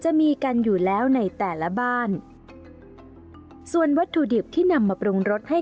จะมีกันอยู่แล้วในแต่ละบ้านส่วนวัตถุดิบที่นำมาปรุงรสให้